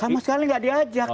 sama sekali nggak diajak